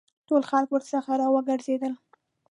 ټول خلک ورڅخه را وګرځېدل.